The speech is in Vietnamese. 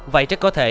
vậy chắc có thể